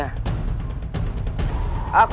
aku juga berpikir